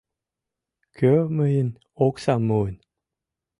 — Кӧ мыйын оксам муын?!